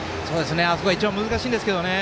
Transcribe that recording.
あそこが一番、難しいんですけどね